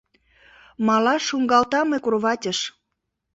Малаш шуҥгалтам мый кроватьыш —